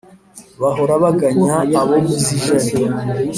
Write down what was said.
bahora biganya abo mu z' ijari